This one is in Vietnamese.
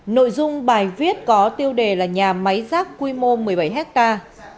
nội dung bài viết có tiêu đề là nhà máy rác quy mô một mươi bảy hectare